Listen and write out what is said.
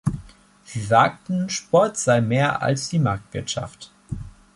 Sie sagten, Sport sei mehr als die Marktwirtschaft.